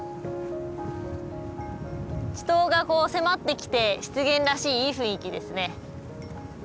池塘が迫ってきて湿原らしいいい雰囲気ですね。